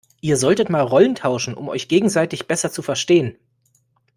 Ihr solltet mal Rollen tauschen, um euch gegenseitig besser zu verstehen.